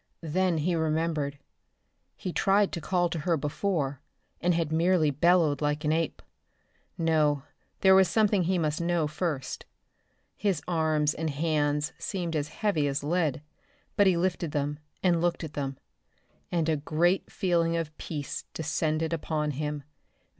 Then he remembered. He'd tried to call to her before and had merely bellowed like an ape. No, there was something he must know first. His arms and hands seemed as heavy as lead, but he lifted them and looked at them and a great feeling of peace descended upon him.